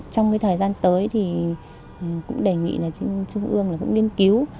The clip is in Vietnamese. trong cái thời gian tới thì cũng đề nghị là chương ương cũng nghiên cứu